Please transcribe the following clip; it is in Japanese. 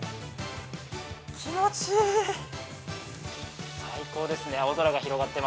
気持ちいい！